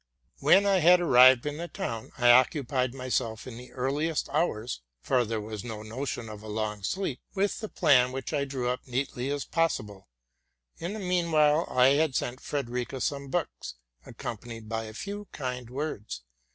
When I had arrived in the town, I occupied myself in the earliest hours (for there was no notion of a long sleep) with the plan, which I drew as neatly as possible. In the mean time I had sent Frederica some books, accompanied by a few kind words.